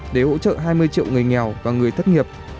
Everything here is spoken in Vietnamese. để hỗ trợ hai mươi triệu người nghèo và người thất nghiệp